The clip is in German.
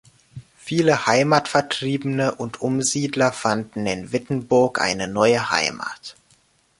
Viele Heimatvertriebene und Umsiedler fanden in Wittenburg eine neue Heimat.